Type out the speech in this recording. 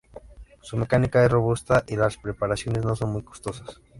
Su mecánica es robusta y las preparaciones no son muy costosas.